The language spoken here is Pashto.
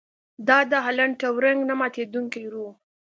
دا د الن ټورینګ نه ماتیدونکی روح و